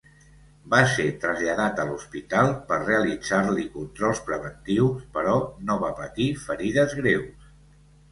Va ser traslladat a l'hospital per realitzar-li controls preventius, però no va patir ferides greus.